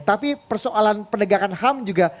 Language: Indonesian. tapi persoalan penegakan ham juga